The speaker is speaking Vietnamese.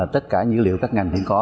tất cả dữ liệu các ngành cũng có